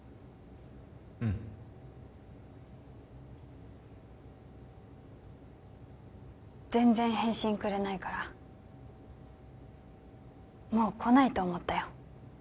うん全然返信くれないからもう来ないと思ったよ